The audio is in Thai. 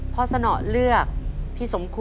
พ่อสนอเลือกตอบตัวเลือกที่๒คือแป้งมันครับ